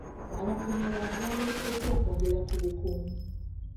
Abakuumi abalala baaleeteddwa okwongera ku bukuumi.